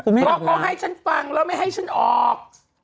เพราะเขาให้ฉันฟังแล้วไม่ให้ฉันออก